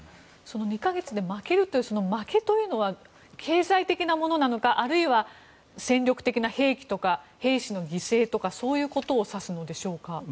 ２か月で負けるという負けというのは経済的なものなのかあるいは戦力的な兵器とか兵士の犠牲とかそういうことを指すのでしょうか。